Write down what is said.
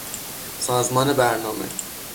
سازمان برنامه